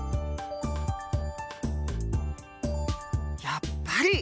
やっぱり！